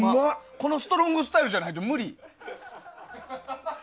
このストロングスタイルじゃないと無理。